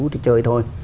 thú chơi thôi